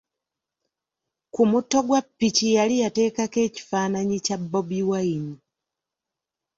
Ku mutto gwa ppiki yali yateekako ekifaanayi kya Bobi Wine.